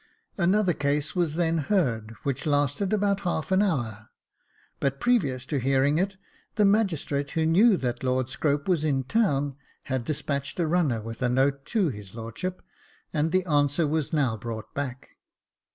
Another case was then heard, which lasted about half an hour ; but previous to hearing it, the magistrate, who knew that Lord Scrope was in town, had despatched a runner with a note to his lordship, and the answer was now brought back.